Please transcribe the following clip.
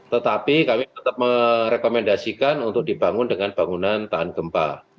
tetapi kami tetap merekomendasikan untuk dibangun dengan bangunan tahan gempa